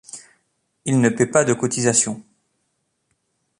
Ils ne paient pas de cotisation.